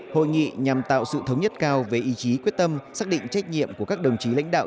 hội nghị nhằm tạo sự thống nhất cao về ý chí quyết tâm xác định trách nhiệm của các đồng chí lãnh đạo